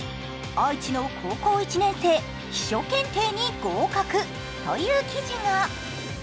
「愛知の高校一年生秘書検定に合格」という記事が。